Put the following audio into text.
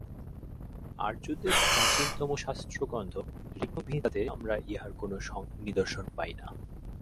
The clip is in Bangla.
আর্যদের প্রাচীনতম শাস্ত্রগ্রন্থ ঋগ্বেদ-সংহিতাতে আমরা ইহার কোন নিদর্শন পাই না।